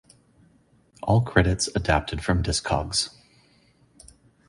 All credits adapted from discogs.